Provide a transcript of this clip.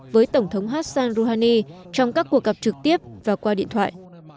với tổng thống hassan rouhani trong các cuộc gặp trực tiếp và qua điện thoại